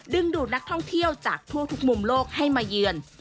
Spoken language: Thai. ดูดนักท่องเที่ยวจากทั่วทุกมุมโลกให้มาเยือน